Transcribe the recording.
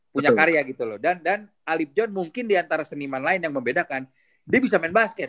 punya karya gitu loh dan alip john mungkin diantara seniman lain yang membedakan dia bisa main basket